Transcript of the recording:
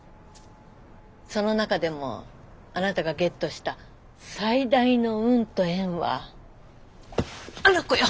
その中でもあなたがゲットした最大の運と縁はあの子よ！